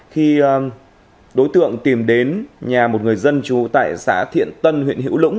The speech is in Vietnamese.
khi đối tượng tìm đến nhà một người dân trú tại xã thiện tân huyện hữu lũng